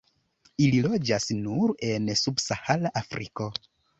Ili loĝas nur en subsahara Afriko.